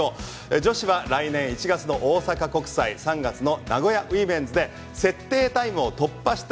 女子は来年１月の大阪国際３月の名古屋ウィメンズで設定タイムを突破した